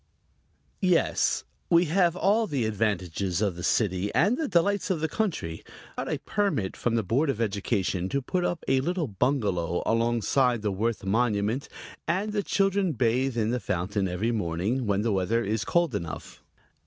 "Yes; we have all the advantages of the city and the delights of the country. I got a permit from the Board of Education to put up a little bungalow alongside the Worth monument, and the children bathe in the fountain every morning when the weather is cold enough."